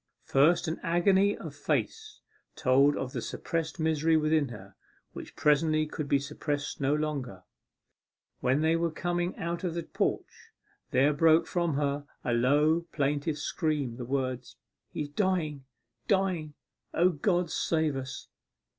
First, an agony of face told of the suppressed misery within her, which presently could be suppressed no longer. When they were coming out of the porch, there broke from her in a low plaintive scream the words, 'He's dying dying! O God, save us!